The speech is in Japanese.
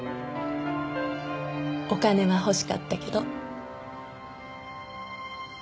お金は欲しかったけど。